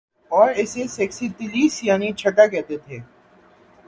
اور اسے سیکستیلیس یعنی چھٹا کہتے تھے